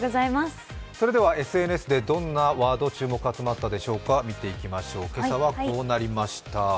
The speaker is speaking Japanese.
ＳＮＳでどんなワード、注目が集まったでしょうか、今朝はこうなりました。